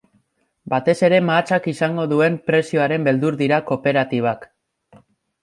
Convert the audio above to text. Batez ere mahatsak izango duen prezioaren beldur dira kooperatibak.